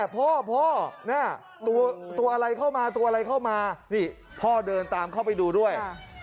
พ่อพ่อตัวอะไรเข้ามาตัวอะไรเข้ามานี่พ่อเดินตามเข้าไปดูด้วย